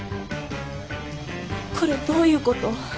これどういうこと？